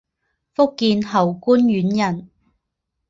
福建侯官县人。